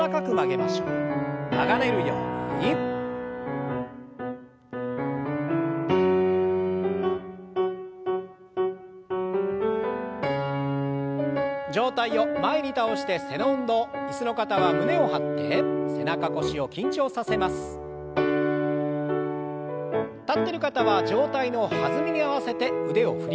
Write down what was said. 立ってる方は上体の弾みに合わせて腕を振りましょう。